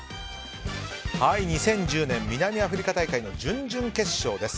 ２０１０年南アフリカ大会の準々決勝です。